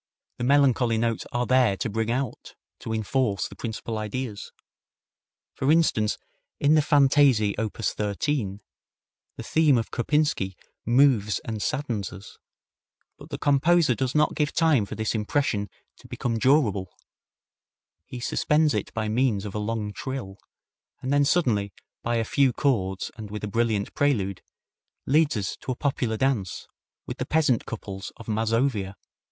The melancholy notes are there to bring out, to enforce the principal ideas. For instance, in the Fantaisie, op. 13, the theme of Kurpinski moves and saddens us; but the composer does not give time for this impression to become durable; he suspends it by means of a long trill, and then suddenly by a few chords and with a brilliant prelude leads us to a popular dance, which makes us mingle with the peasant couples of Mazovia.